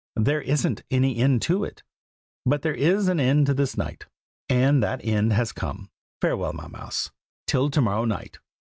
"There isn't any end to it. But there is an end to this night, and that end has come. Farewell, my mouse, till to morrow night."